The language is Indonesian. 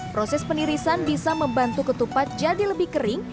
proses penirisan bisa membantu ketupat jadi lebih kering